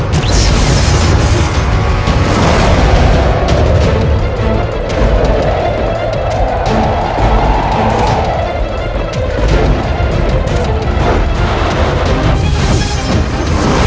perang dalam posisi berhasil